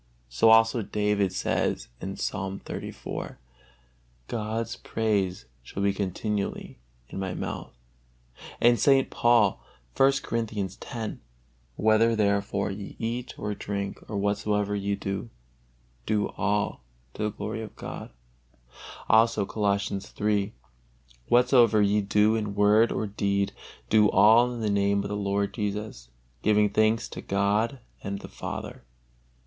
So also David says in Psalm xxxiv: "God's praise shall be continually in my mouth." And St. Paul, I. Corinthians x: "Whether therefore ye eat or drink, or whatsoever ye do, do all to the glory of God." Also Colossians iii: "Whatsoever ye do in word or deed, do all in the Name of the Lord Jesus, giving thanks to God and the Father."